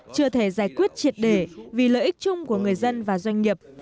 chưa thể giải quyết triệt để vì lợi ích chung của người dân và doanh nghiệp